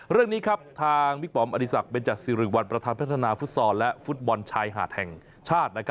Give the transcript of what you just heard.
เรื่องนี้ครับทางบิ๊กปอมอดีศักดิเบนจัดสิริวัลประธานพัฒนาฟุตซอลและฟุตบอลชายหาดแห่งชาติ